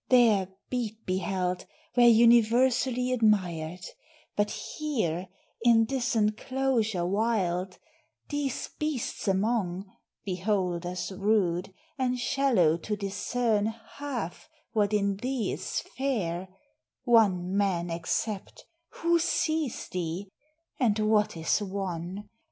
there beat beheld, Where universally admired; but here In this inclosure wild, these beasts among, Beholders rude, and shallow to discern Half what in thee is fair, one man except, Who sees thee? (and what is one?)